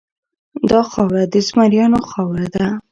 دا خاوره د زمریانو خاوره ده.